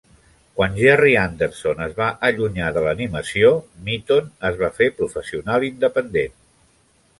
Quan Gerry Anderson es va allunyar de l'animació, Mitton es va fer professional independent.